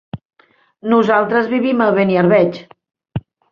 Nosaltres vivim a Beniarbeig.